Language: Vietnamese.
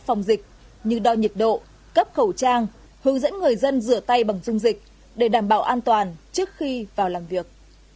phòng dịch như đo nhiệt độ cấp khẩu trang hướng dẫn người dân rửa tay bằng dung dịch để đảm bảo an toàn trước khi vào làm việc